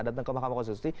datang ke mahkamah konstitusi